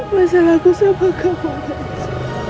masalah aku sama kamu mas